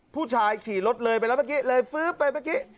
ขี่รถเลยไปแล้วเมื่อกี้เลยฟื๊บไปเมื่อกี้